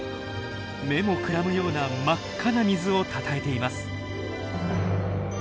目もくらむような真っ赤な水をたたえています。